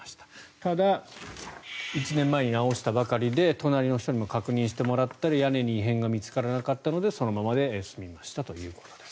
ただ、１年前に直したばかりで隣の人に確認してもらったり屋根に異変が見つからなかったのでそのままで済みましたということです。